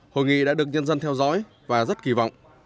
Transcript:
hội nghị đã được nhân dân theo dõi và rất kỳ vọng